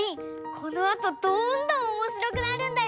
このあとどんどんおもしろくなるんだよ！